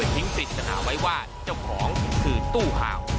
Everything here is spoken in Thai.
ปริศนาไว้ว่าเจ้าของคือตู้ฮาว